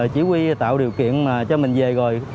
chỉ huy tạo điều kiện cho mình về rồi